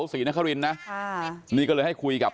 ศรีนครินนะค่ะนี่ก็เลยให้คุยกับ